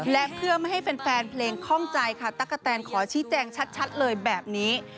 และเพื่อไม่ให้แฟนเพลงคล่องใจค่ะตั๊กกะแตนขอชี้แจงชัดเลยแบบนี้